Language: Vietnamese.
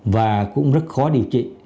và cũng rất khó điều trị